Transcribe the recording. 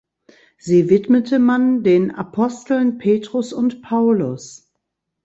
Sie widmete man den Aposteln Petrus und Paulus.